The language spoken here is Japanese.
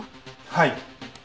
はい。